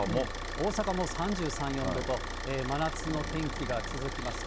大阪も３３、４度と、真夏の天気が続きますね。